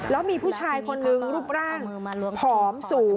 แล้วมีผู้ชายคนนึงรูปร่างผอมสูง